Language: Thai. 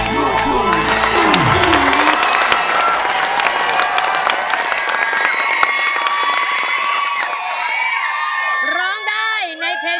น้องโอมร้องได้ไม่ร้อง